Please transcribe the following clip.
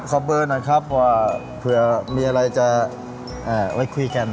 เบอร์หน่อยครับว่าเผื่อมีอะไรจะไว้คุยกัน